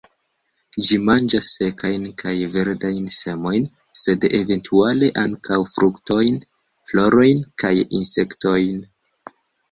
Ĝi manĝas sekajn kaj verdajn semojn, sed eventuale ankaŭ fruktojn, florojn kaj insektojn.